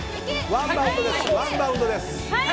ワンバウンドです。